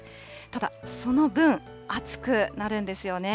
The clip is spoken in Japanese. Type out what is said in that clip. ただ、その分、暑くなるんですよね。